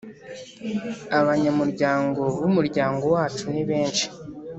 abanyamuryango bumuryango wacu ni benshi